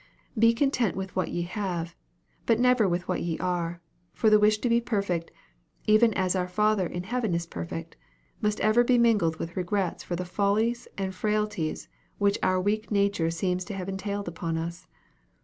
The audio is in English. "Be content with what ye have," but never with what ye are; for the wish to be perfect, "even as our Father in heaven is perfect," must ever be mingled with regrets for the follies and frailties which our weak nature seems to have entailed upon us.